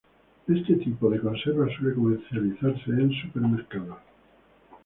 Este tipo de conserva suele comercializarse en supermercados.